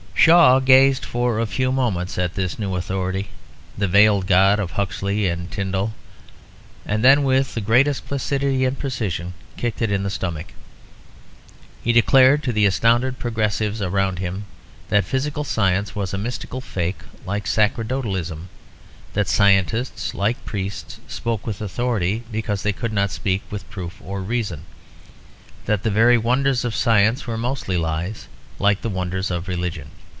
Shaw gazed for a few moments at this new authority, the veiled god of Huxley and Tyndall, and then with the greatest placidity and precision kicked it in the stomach. He declared to the astounded progressives around him that physical science was a mystical fake like sacerdotalism; that scientists, like priests, spoke with authority because they could not speak with proof or reason; that the very wonders of science were mostly lies, like the wonders of religion.